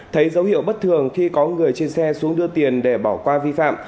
thấy dấu hiệu bất thường khi có người trên xe xuống đưa tiền để bỏ qua vi phạm